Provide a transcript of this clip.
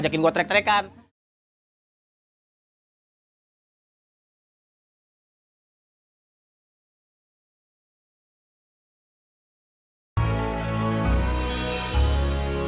sampai jumpa di video selanjutnya